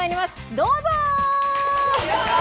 どうぞ！